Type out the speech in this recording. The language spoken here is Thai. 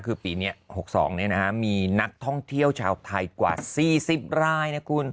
คือปีเนี่ย๖๒เนี่ยนะคะมีนักท่องเที่ยวชาวไทยกว่า๔๐รายนะคุณ